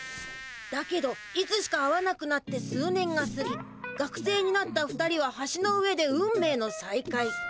だけどいつしか会わなくなって数年がすぎ学生になった２人は橋の上で運命のさいかい。